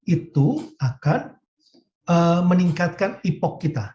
itu akan meningkatkan ipok kita